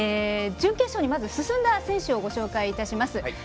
準決勝にまず、進んだ選手をご紹介いたします。